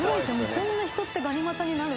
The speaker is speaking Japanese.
こんな人ってがに股になる。